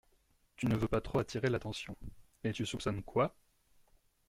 Tu ne veux pas trop attirer l’attention. Et tu soupçonnes quoi ?